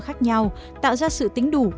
khác nhau tạo ra sự tính đủ